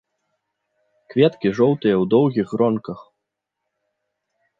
Кветкі жоўтыя ў доўгіх гронках.